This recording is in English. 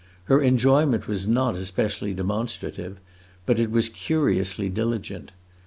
Her enjoyment was not especially demonstrative, but it was curiously diligent.